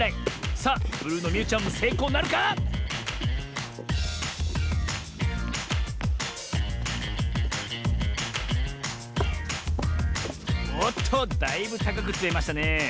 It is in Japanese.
さあブルーのみゆちゃんもせいこうなるか⁉おっとだいぶたかくつめましたねえ。